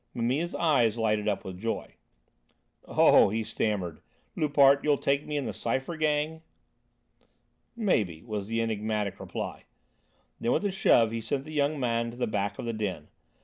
Mimile's eyes lighted up with joy. "Oh!" he stammered, "Loupart, you'll take me in the Cypher gang?" "Maybe," was the enigmatic reply. Then with a shove he sent the young man to the back of the den.